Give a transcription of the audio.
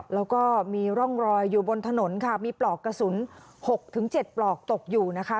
แล้วก็มีร่องรอยอยู่บนถนนค่ะมีปลอกกระสุน๖๗ปลอกตกอยู่นะคะ